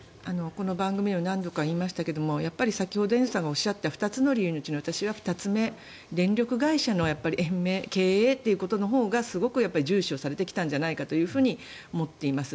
この番組でも何度か言いましたけども先ほど延増さんがおっしゃった２つの理由のうちの私は２つ目、電力会社の延命経営ということのほうがすごく重視をされてきたんじゃないかと思っています。